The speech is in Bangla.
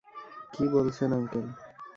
কী বলছেন, আঙ্কেল?